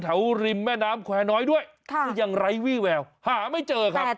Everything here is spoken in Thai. แถวริมแม่น้ำแควร์น้อยด้วยต้องยังไหล่น่าสรรย์แล้วไม่เจอกันที่ก็ไม่ได้รู้